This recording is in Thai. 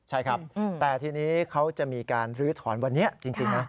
ใช่ครับแต่ทีนี้เขาจะมีการลื้อถอนวันนี้จริงนะ